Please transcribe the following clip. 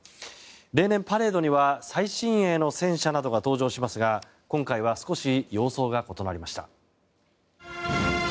例年、パレードには最新鋭の戦車などが登場しますが今回は少し様相が異なりました。